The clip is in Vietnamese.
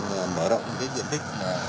mở rộng những cái diện tích